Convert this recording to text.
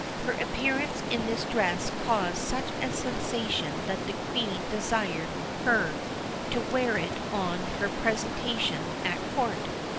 Her appearance in this dress caused such a sensation that the Queen desired her to wear it on her presentation at Court.